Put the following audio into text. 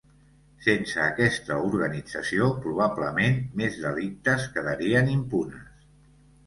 Sense aquesta organització, probablement més delictes quedarien impunes.